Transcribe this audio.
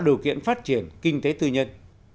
điều kiện phát triển kinh tế tư nhân